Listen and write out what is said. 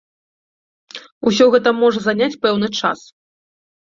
Усё гэта можа заняць пэўны час.